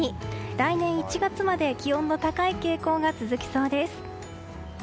来年１月まで気温の高い傾向が続きそうです。